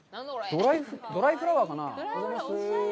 ドライフラワーかな？